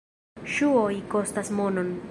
Ŝuoj kostas monon.